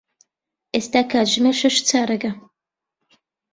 ئێستا کاتژمێر شەش و چارەگە.